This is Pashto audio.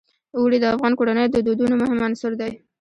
اوړي د افغان کورنیو د دودونو مهم عنصر دی.